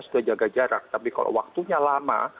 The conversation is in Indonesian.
sudah jaga jarak tapi kalau waktunya lama